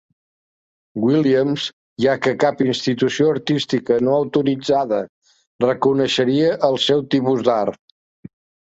Williams, ja què cap institució artística no autoritzada reconeixeria el seu tipus d"art.